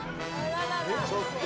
ちょっと。